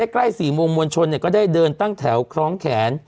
ใกล้๔โมงมวลชนก็ได้เดินตั้งแถวคล้องแขน